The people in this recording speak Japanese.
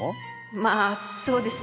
まあそうですね。